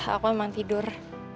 aku emang tidur